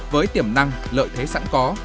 với tiềm năng lợi thế sẵn có